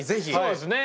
そうですね！